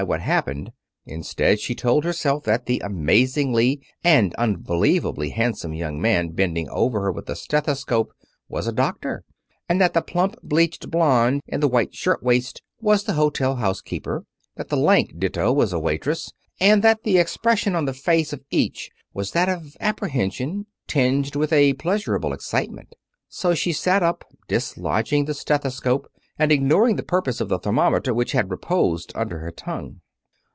What happened?" Instead she told herself that the amazingly and unbelievably handsome young man bending over her with a stethoscope was a doctor; that the plump, bleached blonde in the white shirtwaist was the hotel housekeeper; that the lank ditto was a waitress; and that the expression on the face of each was that of apprehension, tinged with a pleasurable excitement. So she sat up, dislodging the stethoscope, and ignoring the purpose of the thermometer which had reposed under her tongue.